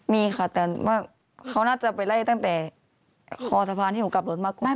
มีค่ะแต่ว่าเขาน่าจะไปไล่ตั้งแต่คอสะพานที่หนูกลับรถมาก